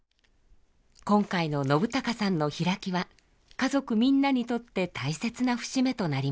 今回の信朗さんの「披き」は家族みんなにとって大切な節目となります。